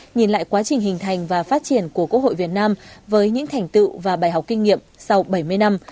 nhìn lại quá trình hình thành và phát triển của quốc hội việt nam với những thành tựu và bài học kinh nghiệm sau bảy mươi năm